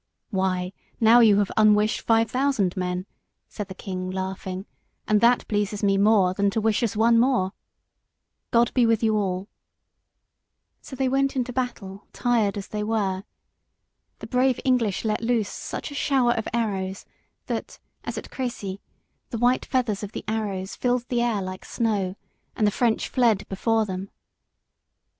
"Why, now you have unwished five thousand men," said the king laughing, "and that pleases me more than to wish us one more. God be with you all." [Sidenote: A.D. 1415.] So they went into battle tired as they were. The brave English let loose such a shower of arrows that, as at Creçy, the white feathers of the arrows filled the air like snow, and the French fled before them.